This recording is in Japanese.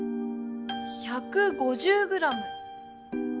１５０ｇ。